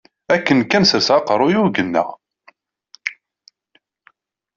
Akken kan serseɣ aqerruy-iw gneɣ.